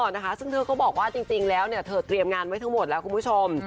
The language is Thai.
นะคะซึ่งเธอก็บอกว่าจริงแล้วเนี่ยเธอเตรียมงานไว้ทั้งหมดแล้วคุณผู้ชม